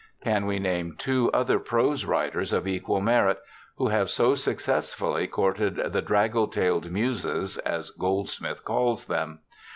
Can we name two other prose writers of equal merit, who have so successfully courted the ' draggle tailed Muses,' as Goldsmith calls them